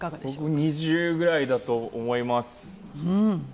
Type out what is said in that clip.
僕２０ぐらいだと思います。